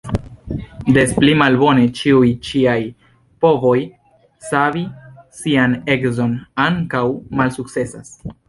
Des pli malbone, ĉiuj ŝiaj provoj savi sian edzon ankaŭ malsukcesas.